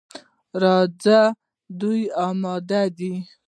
راځه، ډوډۍ اماده ده.